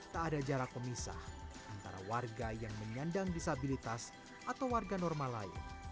tak ada jarak pemisah antara warga yang menyandang disabilitas atau warga normal lain